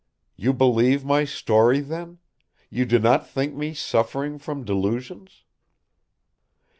"You believe my story, then? You do not think me suffering from delusions?"